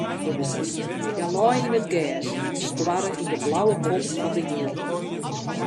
Hja lei yn it gers en stoarre yn de blauwe kom fan de himel.